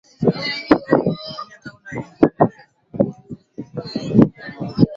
Mtaalam wa ufundi alidakia kwa kukubali kama alikuwa akisubiri kauli ya Jacob